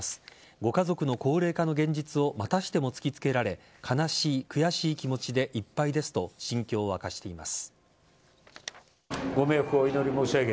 ご家族の高齢化の現実をまたしても突きつけられ悲しい、悔しい気持ちでいっぱいですと心境を明かしています。